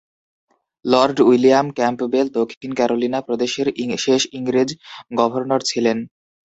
Lord William Campbell দক্ষিণ Carolina প্রদেশের শেষ ইংরেজ গভর্নর ছিলেন।